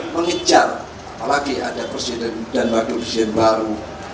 mengincar apalagi ada presiden dan wakil presiden baru